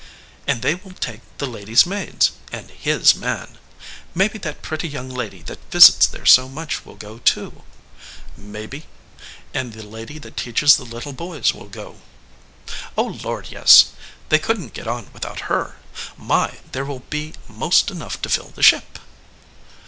"And they will take the ladies maids, and His man. Maybe that pretty young lady that visits there so much will go, too." "Maybe ; and the lady that teaches the little boys will go." "O Lord, yes! They couldn t get on without her. My! there will be most enough to fill the ship."